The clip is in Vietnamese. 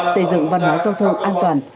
xây dựng văn hóa giao thông an toàn